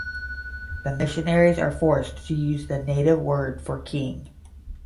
The missionaries are forced to use the native word for king.